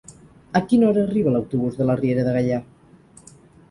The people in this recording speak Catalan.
A quina hora arriba l'autobús de la Riera de Gaià?